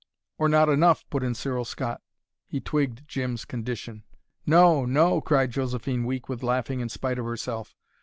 "Or not enough," put in Cyril Scott. He twigged Jim's condition. "No no!" cried Josephine, weak with laughing in spite of herself.